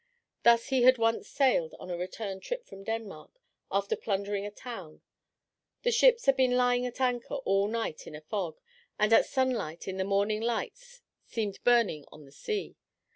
Thus he had once sailed on a return trip from Denmark after plundering a town; the ships had been lying at anchor all night in a fog, and at sunlight in the morning lights seemed burning on the sea.